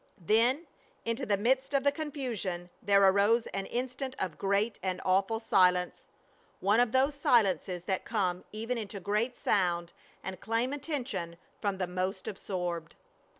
Then, into the midst of the confusion there arose an instant of great and awful silence. One of those silences that come even into great sound and claim attention from the most absorbed.